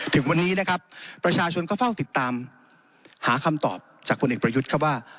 ถึงวันนี้นะครับประชาชนก็เฝ้าติดตามหาคำตอบจากผลเอกประยุทธ์ครับว่า